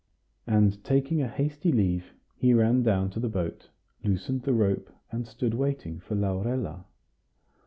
And, taking a hasty leave, he ran down to the boat, loosened the rope, and stood waiting for Laurella.